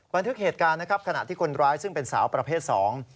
บันทึกเหตุการณ์นะครับขณะที่คนร้ายซึ่งเป็นสาวประเภทสอง